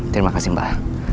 terima kasih mbak